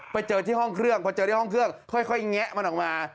ไปเจอที่ห้องเครื่องพอเจอได้ห้องเครื่องค่อยแงะมันออกมา